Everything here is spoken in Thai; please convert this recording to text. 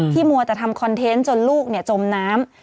มัวแต่ทำคอนเทนต์จนลูกจมน้ำ